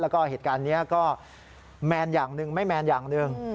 แล้วก็เหตุการณ์นี้ก็แมนอย่างหนึ่งไม่แมนอย่างหนึ่ง